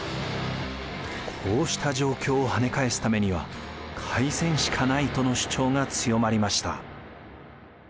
こうした状況をはね返すためには開戦しかないとの主張が強まりました。